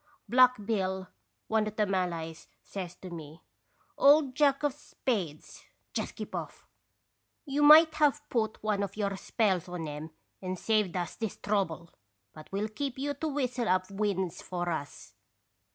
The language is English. " Black Bill, one of the Malays, says to me: ' Old Jack of Spades, just keep off ! You might have put one of your spells on 'em and saved us this trouble. But we '11 keep you to whistle up winds for us.'